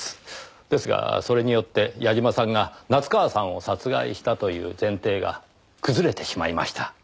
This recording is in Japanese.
ですがそれによって矢嶋さんが夏河さんを殺害したという前提が崩れてしまいました。